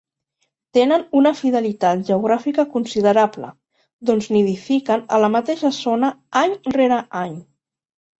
Tenen una fidelitat geogràfica considerable, doncs nidifiquen a la mateixa zona any rere any.